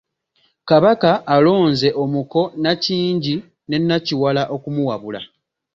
Kabaka alonze omuko Nakyingi ne Nakiwala okumuwabula.